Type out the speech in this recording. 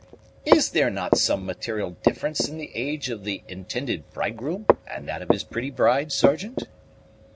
"Is there not some material difference in the age of the intended bridegroom and that of his pretty bride, Sergeant?"